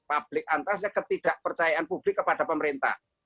public antrasnya ketidakpercayaan publik kepada pemerintah